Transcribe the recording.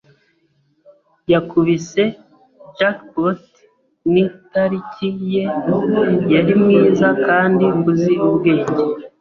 Yakubise jackpot nitariki ye. Yari mwiza kandi uzi ubwenge.